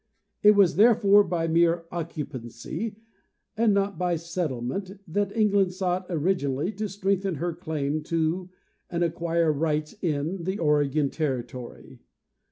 It was therefore by mere occupancy, and not by set tlement, that England sought originally to strengthen her claim to and acquire rights in the Oregon territory.